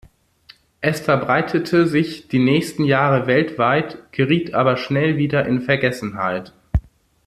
Es verbreitete sich die nächsten Jahre weltweit, geriet aber schnell wieder in Vergessenheit.